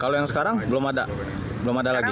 kalau yang sekarang belum ada belum ada lagi